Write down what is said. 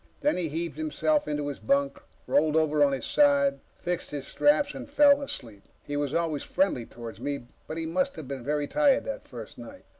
Then he heaved himself into his bunk, rolled over on his side, fixed his straps, and fell asleep. He was always friendly toward me, but he must have been very tired that first night.